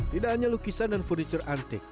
tidak hanya lukisan dan furniture antik